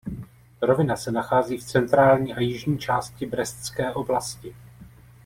Rovina se nachází v centrální a jižní části Brestské oblasti.